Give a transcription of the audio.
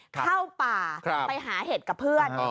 เข้าป่าไปหาเห็ดกับเพื่อน